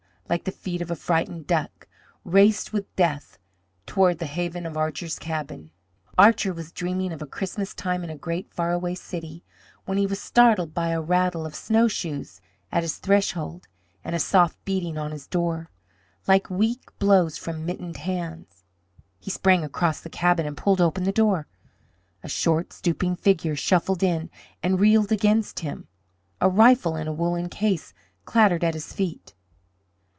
like the feet of a frightened duck, raced with death toward the haven of Archer's cabin. Archer was dreaming of a Christmas time in a great faraway city when he was startled by a rattle of snowshoes at his threshold and a soft beating on his door, like weak blows from mittened hands. He sprang across the cabin and pulled open the door. A short, stooping figure shuffled in and reeled against him. A rifle in a woollen case clattered at his feet.